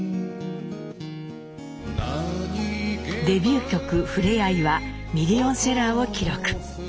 デビュー曲「ふれあい」はミリオンセラーを記録。